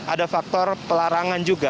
ada faktor pelarangan juga